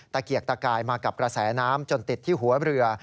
เกียกตะกายมากับกระแสน้ำจนติดที่หัวเรือ